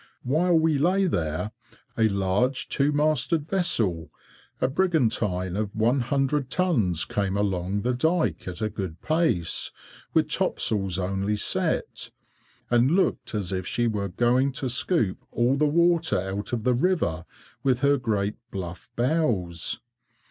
While we lay there, a large two masted vessel, a brigantine of 100 tons, came along the dyke at a good pace, with topsails only set, and looked as if she were going to scoop all the water out of the river with her great bluff bows.